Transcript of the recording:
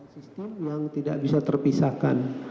sistem yang tidak bisa terpisahkan